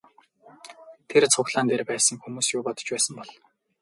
Тэр цуглаан дээр байсан хүмүүс юу бодож байсан бол?